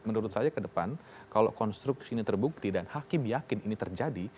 menurut saya ke depan kalau konstruksi ini terbukti dan hakim yakin ini terjadi